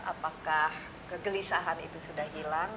apakah kegelisahan itu sudah hilang